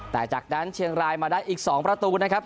แต่จากนั้นเชียงรายมาได้อีก๒ประตูนะครับ